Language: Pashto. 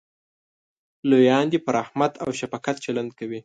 لویان دې په رحمت او شفقت چلند کوي.